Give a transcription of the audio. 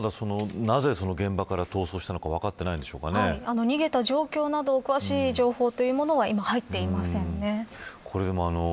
まだ、なぜ現場から逃走したのか逃げた状況など詳しい情報というものは今入っていませんね。